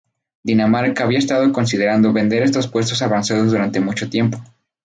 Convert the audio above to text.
Dinamarca había estado considerando vender estos puestos avanzados durante mucho tiempo.